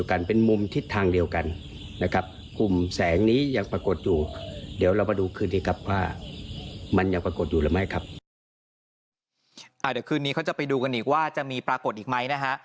เดี๋ยวคืนนี้เขาจะไปดูกันอีกว่าจะมีปรากฏอีกไหมนะฮะ